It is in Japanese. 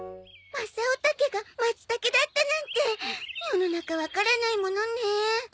マサオ茸がマツタケだったなんて世の中わからないものね。